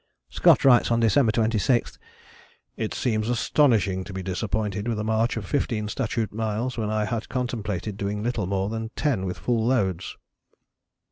Scott writes on December 26, "It seems astonishing to be disappointed with a march of 15 (statute) miles when I had contemplated doing little more than 10 with full loads."